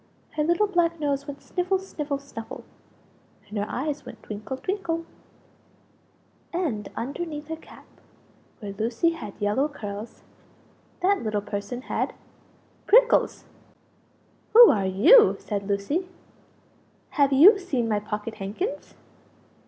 Her little black nose went sniffle, sniffle, snuffle, and her eyes went twinkle, twinkle; and underneath her cap where Lucie had yellow curls that little person had PRICKLES! "Who are you?" said Lucie. "Have you seen my pocket handkins?"